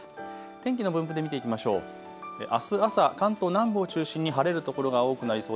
天気の分布で見ていきましょう。